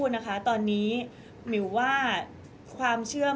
มิวยังมั่นใจนะคะว่ายังมีเจ้าหน้าที่ตำรวจอีกหลายคนที่พร้อมจะให้ความยุติธรรมกับมิว